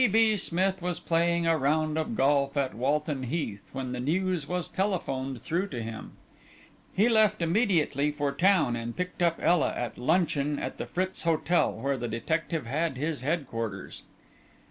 B. Smith was playing a round of golf at Walton Heath, when the news was telephoned through to him. He left immediately for town, and picked up Ela at luncheon at the Fritz Hotel, where the detective had his headquarters.